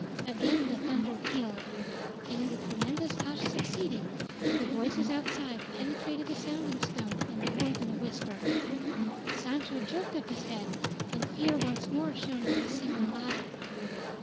Again the thunder pealed; and in the tremendous hush succeeding, the voices outside penetrated the sounding stone in more than a whisper. Sancho jerked up his head and fear once more shone in his single eye.